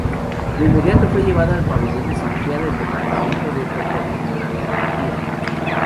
De inmediato fue llevado al pabellón de cirugía del Departamento de Otorrinolaringología.